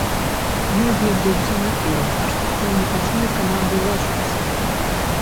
Мы беглі ўсё наперад, аж пакуль не пачулі каманды лажыцца.